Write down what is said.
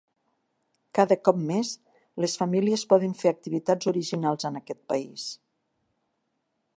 Cada cop més, les famílies poden fer activitats originals en aquest país.